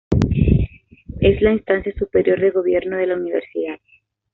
Es la instancia superior de gobierno de la universidad.